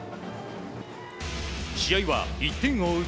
試合は１点を追う